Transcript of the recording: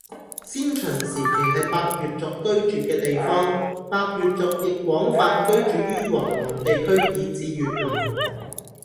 先秦時期係百越族居住嘅地方，百越族亦廣泛居住於華南地區以至越南